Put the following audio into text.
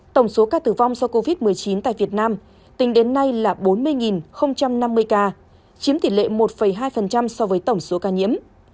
tổng số ca tử vong do covid một mươi chín tại việt nam tính đến nay là bốn mươi năm mươi ca chiếm tỷ lệ một hai so với tổng số ca nhiễm